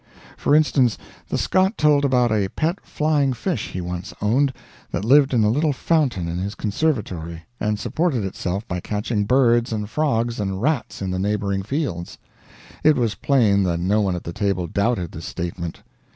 For instance, the Scot told about a pet flying fish he once owned, that lived in a little fountain in his conservatory, and supported itself by catching birds and frogs and rats in the neighboring fields. It was plain that no one at the table doubted this statement.